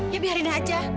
ya biarin aja